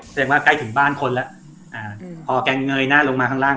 ใกล้ถึงบ้านคนแล้วอ่าพอแกเงยหน้าลงมาข้างล่าง